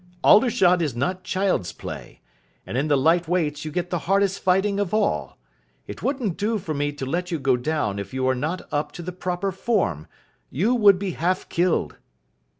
Aldershot is not child's play. And in the Light Weights you get the hardest fighting of all. It wouldn't do for me to let you go down if you are not up to the proper form. You would be half killed."